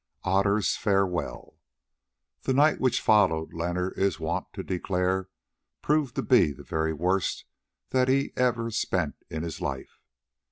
OTTER'S FAREWELL The night which followed, Leonard is wont to declare, proved to be the very worst that he ever spent in his life.